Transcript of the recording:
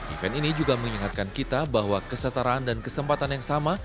event ini juga mengingatkan kita bahwa kesetaraan dan kesempatan yang sama